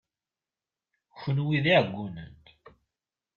Kenwi d iɛeggunen!